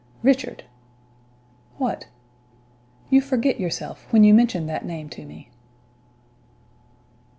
"Richard!" "What?" "You forget yourself when you mention that name to me."